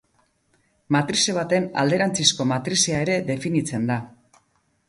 Matrize baten alderantzizko matrizea ere definitzen da.